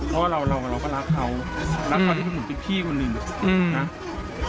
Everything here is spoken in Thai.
เพราะว่าเราก็รักเขารักเขาที่เป็นผู้ที่พี่คนหนึ่งนะ